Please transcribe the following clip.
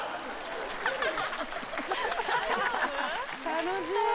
・楽しい！